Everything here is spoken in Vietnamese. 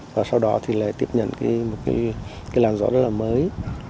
và sau đó thì lại tiếp nhận một cái làn gió rất là mới